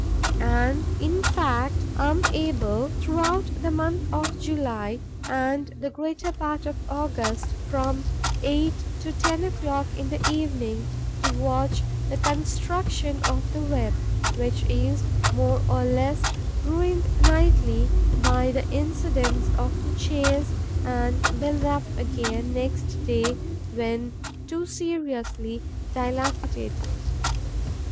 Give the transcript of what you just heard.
And, in fact, I am able, throughout the month of July and the greater part of August, from eight to ten o'clock in the evening, to watch the construction of the web, which is more or less ruined nightly by the incidents of the chase and built up again, next day, when too seriously dilapidated.